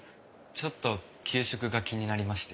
ちょっと給食が気になりまして。